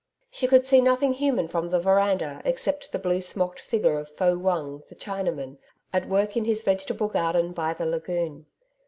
She could see nothing human from the veranda except the blue smocked figure of Fo Wung, the Chinaman, at work in his vegetable garden by the lagoon.